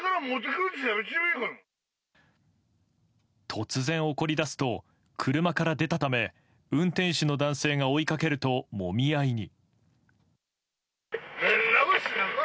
突然怒り出すと、車から出たため運転手の男性が追いかけるともみ合いに。